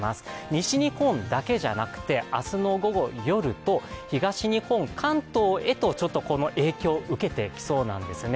西日本だけじゃなくて明日の午後夜と東日本、関東へとこの影響受けてきそうなんですね。